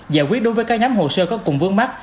giải quyết đối với các nhóm hồ sơ có cùng vướng mắt